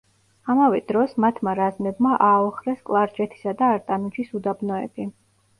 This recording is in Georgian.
ამავე დროს, მათმა რაზმებმა ააოხრეს კლარჯეთისა და არტანუჯის უდაბნოები.